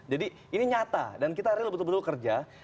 jadi ini nyata dan kita real betul betul kerja